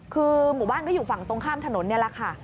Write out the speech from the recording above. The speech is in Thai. คือหมู่บ้านก็อยู่ฝั่งตรงข้ามถนนนี่แหละค่ะ